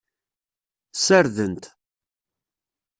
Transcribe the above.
Ssardent.